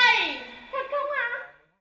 thật không ạ